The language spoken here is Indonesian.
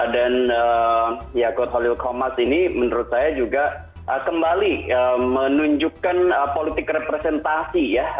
dan ya kod halil komas ini menurut saya juga kembali menunjukkan politik representasi ya